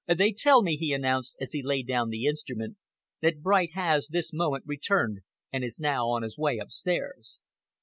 "They tell me," he announced, as he laid down the instrument, "that Bright has this moment returned and is now on his way upstairs."